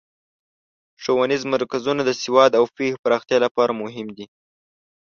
ښوونیز مرکزونه د سواد او پوهې پراختیا لپاره مهم دي.